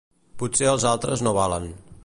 Potser els altres no valen.